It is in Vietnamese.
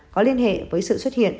có liên hệ với sự xuất hiện